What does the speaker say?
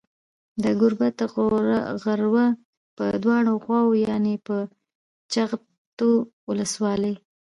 د گوربت غروه په دواړو خواوو يانې په جغتو ولسوالۍ